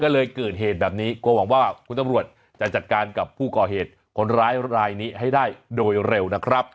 ก็เลยเกิดเหตุแบบนี้กลัวหวังว่าคุณตำรวจจะจัดการกับผู้ก่อเหตุคนร้ายรายนี้ให้ได้โดยเร็วนะครับ